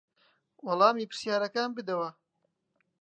وەڵامی پرسیارەکان بدەوە.